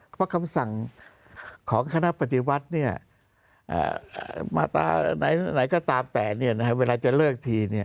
เพราะคำสั่งของคณะปฏิวัติมาตราไหนก็ตามแต่เวลาจะเลิกที